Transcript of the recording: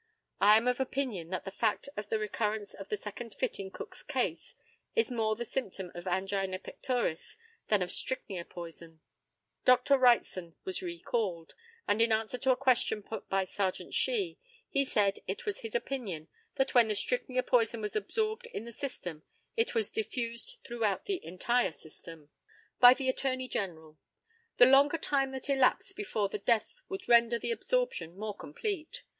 I am of opinion that the fact of the recurrence of the second fit in Cook's case is more the symptom of angina pectoris than of strychnia poison. Dr. WRIGHTSON was re called, and in answer to a question put by Serjeant SHEE, he said it was his opinion that when the strychnia poison was absorbed in the system it was diffused throughout the entire system. By the ATTORNEY GENERAL: The longer time that elapsed before the death would render the absorption more complete.